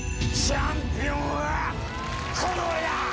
チャンピオンはこの俺だ！